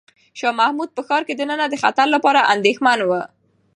شاه محمود په ښار کې دننه د خطر لپاره اندېښمن و.